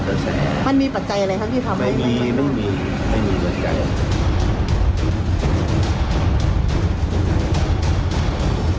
ไม่มีไม่มีปัจจัย